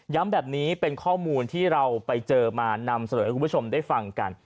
แบบนี้เป็นข้อมูลที่เราไปเจอมานำเสนอให้คุณผู้ชมได้ฟังกัน